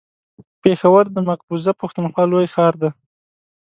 پېښور د مقبوضه پښتونخوا لوی ښار دی.